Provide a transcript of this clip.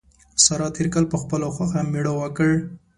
سارا تېر کال په خپله خوښه مېړه وکړ.